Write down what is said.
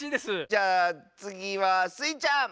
じゃあつぎはスイちゃん！